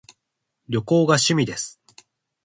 旅行が趣味です